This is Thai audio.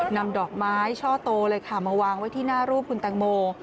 นำดอกไม้ช่อโตเลยค่ะมาวางไว้ที่หน้ารูปคุณแตงโม